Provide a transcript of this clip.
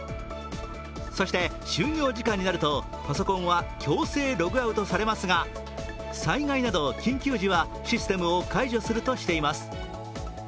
そして終業時間になるとパソコンは強制ログアウトされますが災害など緊急時はシステムを解除するとしています。